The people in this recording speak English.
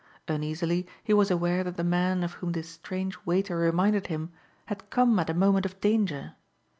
Uneasily he was aware that the man of whom this strange waiter reminded him had come at a moment of danger.